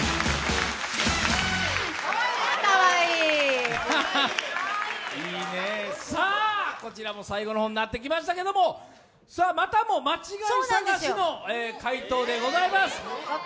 いいねえ、さあこちらも最後になってきましたけれども、またも間違い探しの回答でございます。